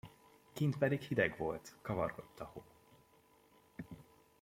Kint pedig hideg volt, kavargott a hó.